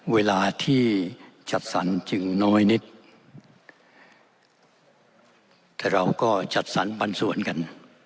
เวลาที่จัดสรรจึงน้อยนิดแต่เราก็จัดสรรปันส่วนกัน